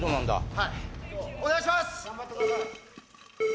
はいお願いします